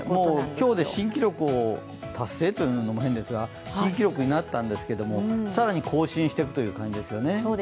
今日で新記録を達成というのも変ですが、新記録になったんですが更に更新してくという感じですね。